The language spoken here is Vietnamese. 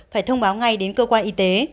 phải thông báo ngay đến cơ quan y tế